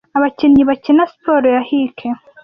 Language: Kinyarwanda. Abakinnyi bakina siporo ya Hike